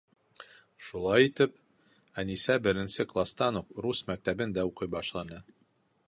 Шулай итеп, Әнисә беренсе кластан уҡ рус мәктәбендә уҡый башланы.